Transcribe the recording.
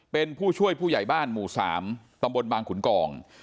เป็นผู้ช่วยผู้ใหญ่บ้านหมู่๓ตำบลบางขุนกอง